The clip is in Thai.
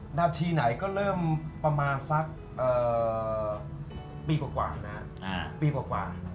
หน้าทีไหนก็เริ่มประมาณสักปีกว่า